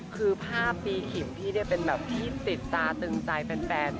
คือภาพตีขิมพี่เนี่ยเป็นแบบที่ติดตาตึงใจแฟน